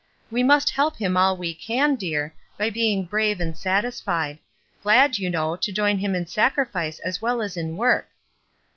We must help him all we can, dear, by being brave and satisfied; glad, you know, to join him in sacrifice as well as in work."